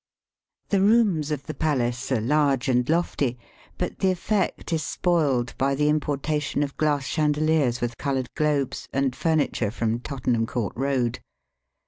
The rooms of the palace are large and lofty, but the effect is spoiled by the importa tion of glass chandeHers with coloured globes and furniture from Tottenham Court Eoad.